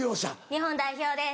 日本代表です。